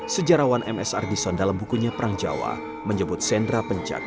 sejarawan msr dison dalam bukunya perang jawa menyebut sendra pencak